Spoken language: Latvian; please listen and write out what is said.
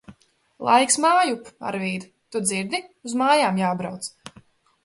Laiks mājup! Arvīd! Tu dzirdi, uz mājām jābrauc!